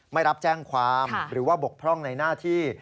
ไม่รับแจ้งความหรือว่าบกพร่องในหน้าที่